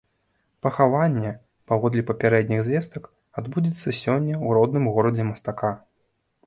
Пахаванне, паводле папярэдніх звестак, адбудзецца сёння ў родным горадзе мастака.